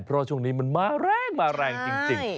เพราะช่วงนี้มันมาแรงจริง